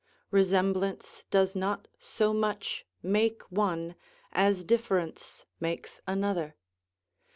Resemblance does not so much make one as difference makes another.